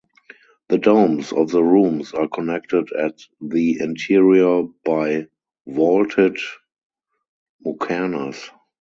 The domes of the rooms are connected at the interior by vaulted muqarnas.